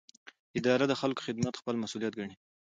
اداره د خلکو خدمت خپل مسوولیت ګڼي.